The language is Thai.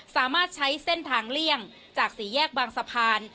สามารถใช้เส้นทางเลี่ยงจากสี่แยกบางสะพาน